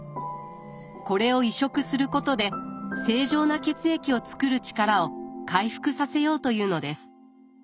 これを移植することで正常な血液をつくる力を回復させようというのです。